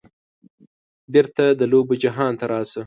بیرته د لوبو جهان ته راشه